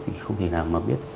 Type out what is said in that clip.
thì không thể nào mà biết